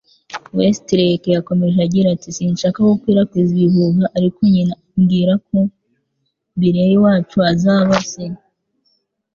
Westlake yakomeje agira ati: "Sinshaka gukwirakwiza ibihuha, ariko nyina ambwira ko Billy wacu azaba se."